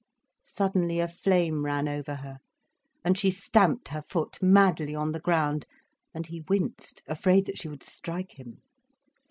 Suddenly a flame ran over her, and she stamped her foot madly on the road, and he winced, afraid that she would strike him.